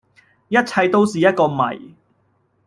一切都是一個謎